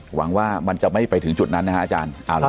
หวังว่ามันจะไม่ไปถึงจุดนั้นนะฮะอาจารย์